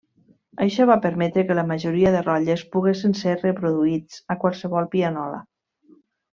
Això va permetre que la majoria de rotlles poguessin ser reproduïts a qualsevol pianola.